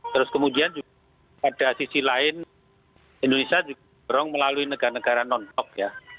terus kemudian juga pada sisi lain indonesia juga mendorong melalui negara negara non blok ya